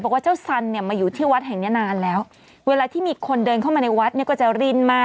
บอกว่าเจ้าสันเนี่ยมาอยู่ที่วัดแห่งเนี้ยนานแล้วเวลาที่มีคนเดินเข้ามาในวัดเนี่ยก็จะรินมา